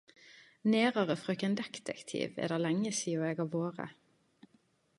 Nærare frøken Detektiv er det lenge sidan eg har vore.